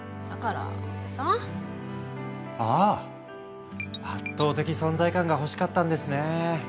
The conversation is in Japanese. ああ圧倒的存在感が欲しかったんですねえ。